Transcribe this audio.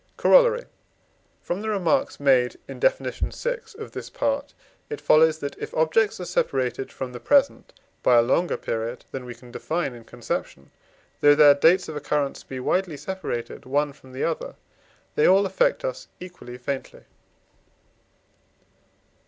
Corollary. From the remarks made in Def. vi. of this part it follows that, if objects are separated from the present by a longer period than we can define in conception, though their dates of occurrence be widely separated one from the other, they all affect us equally faintly.